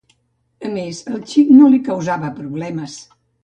A més, el xic no li causava problemes.